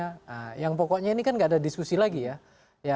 nah yang pokoknya ini kan nggak ada diskusi lagi ya